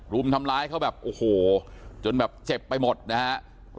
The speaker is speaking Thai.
รุมทำร้ายเขาแบบโอ้โหจนแบบเจ็บไปหมดนะครับ